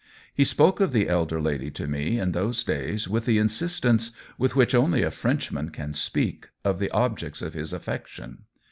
He spoke of the elder lady to me in those days with the insistence with which only a Frenchman can speak of the objects of his affection.